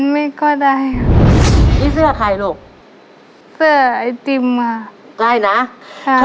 ไม่ก็ได้ครับนี่เสื้อใครลูกเสื้อไอติมค่ะใช่นะใช่